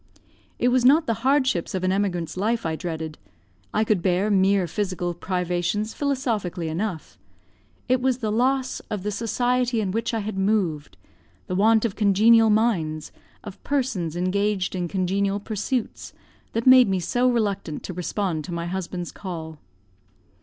It was not the hardships of an emigrant's life I dreaded. I could bear mere physical privations philosophically enough; it was the loss of the society in which I had moved, the want of congenial minds, of persons engaged in congenial pursuits, that made me so reluctant to respond to my husband's call.